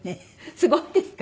すごいですか？